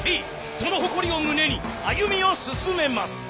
その誇りを胸に歩みを進めます。